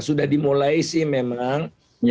sudah dimulai sih memang